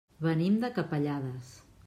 Venim de Capellades.